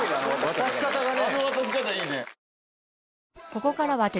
渡し方がね。